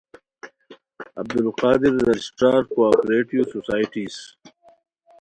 عبدالقادر رجسٹرار کواپریٹیو سوسائٹیز